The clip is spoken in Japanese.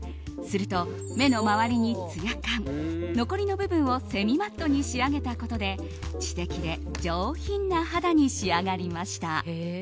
すると目の周りに、つや感残りの部分をセミマットに仕上げたことで知的で上品な肌に仕上がりました。